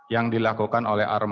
yang dilakukan oleh almarhum